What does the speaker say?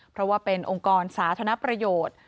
เพราะว่าเป็นองค์กรสาธารณประโยชน์